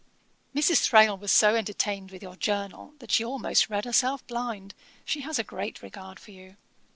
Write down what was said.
'Mrs. Thrale was so entertained with your Journal, that she almost read herself blind. She has a great regard for you.